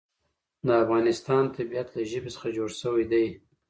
د افغانستان طبیعت له ژبې څخه جوړ شوی دی.